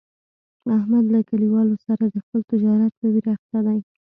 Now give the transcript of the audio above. احمد له کلیوالو سره د خپل تجارت په ویر اخته دی.